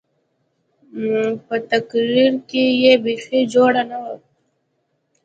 په تقرير کښې يې بيخي جوړه نه وه.